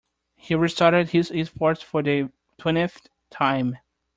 He restarted his efforts for the twentieth time.